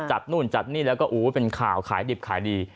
นู่นจัดนี่แล้วก็เป็นข่าวขายดิบขายดี